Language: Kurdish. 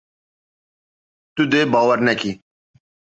Tu dê bawer nekî.